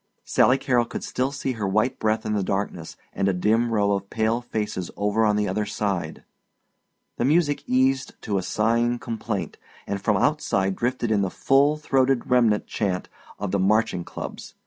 Sally Carrol could still see her white breath in the darkness, and a dim row of pale faces over on the other side. The music eased to a sighing complaint, and from outside drifted in the full throated remnant chant of the marching clubs.